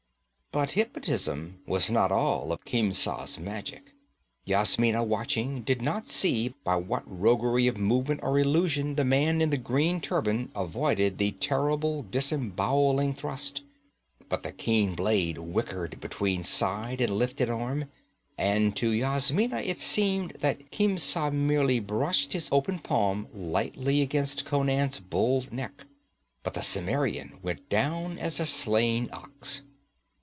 But hypnotism was not all of Khemsa's magic. Yasmina, watching, did not see by what roguery of movement or illusion the man in the green turban avoided the terrible disembowelling thrust. But the keen blade whickered between side and lifted arm, and to Yasmina it seemed that Khemsa merely brushed his open palm lightly against Conan's bull neck. But the Cimmerian went down like a slain ox.